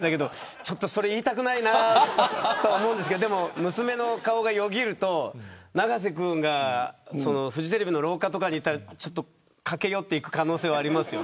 それ言いたくないなとは思うけど娘の顔がよぎると永瀬君がフジテレビの廊下にいたら駆け寄っていく可能性はあります。